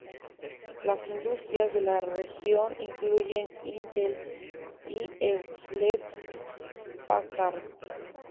Las industrias de la región incluyen Intel y Hewlett Packard.